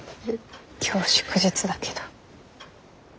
今日祝日だけど。